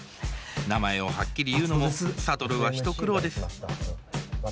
名前をはっきり言うのも諭は一苦労です。